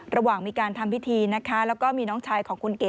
ระหว่างมีการทำพิธีนะคะแล้วก็มีน้องชายของคุณเก๋